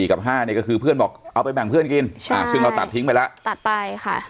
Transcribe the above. อ้ะครับน้อง๖ด้วย